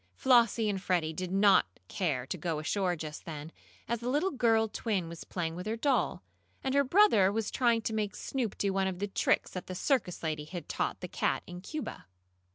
Flossie and Freddie did not care to go ashore just then, as the little girl twin was playing with her doll, and her brother was trying to make Snoop do one of the tricks that the circus lady had taught the cat in Cuba.